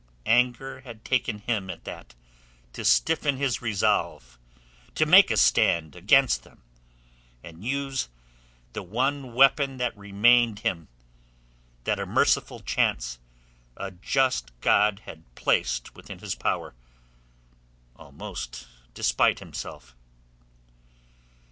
Anger had taken him at that to stiffen his resolve to make a stand against them and use the one weapon that remained him—that a merciful chance, a just God had placed within his power almost despite himself.